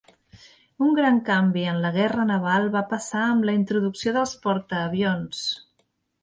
Un gran canvi en la guerra naval va passar amb la introducció dels portaavions.